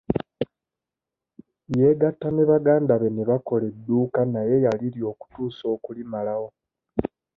Yeegatta ne baganda be ne bakola edduuka naye yalirya okutuusa okulimalawo.